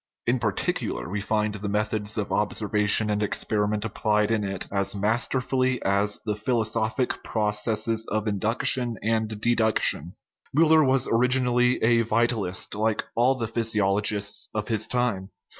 In particular, we find the methods of observation and ex periment applied in it as masterfully as the philosophic processes of induction and deduction. Miiller was orig inally a vitalist, like all the physiologists of his time.